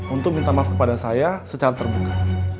untuk minta maaf kepada saya secara terbuka